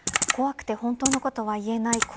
怖くて本当のことは言えない